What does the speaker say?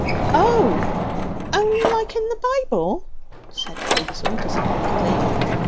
'Oh! only like in the Bible,' said Hazel disappointedly.